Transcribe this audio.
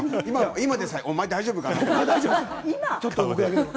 今でさえ、お前大丈夫か？って。